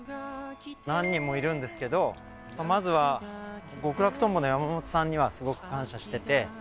何人もいるんですけどまずは極楽とんぼの山本さんにはすごく感謝してて。